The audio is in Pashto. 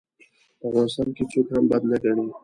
په افغانستان کې هېڅوک هم بد نه ګڼي.